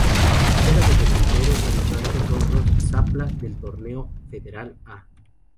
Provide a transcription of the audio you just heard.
Juega de delantero en Altos Hornos Zapla del Torneo Federal A